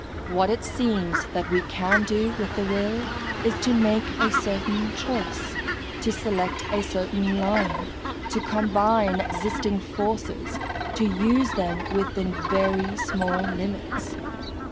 What it seems that we can do with the will is to make a certain choice, to select a certain line, to combine existing forces, to use them within very small limits.